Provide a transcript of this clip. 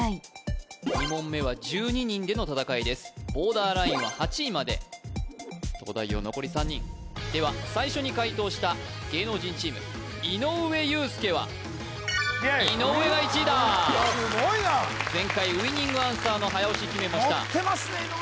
ボーダーラインは８位まで東大王残り３人では最初に解答した芸能人チーム井上裕介はイエイ井上が１位だ前回ウイニングアンサーの早押し決めましたノ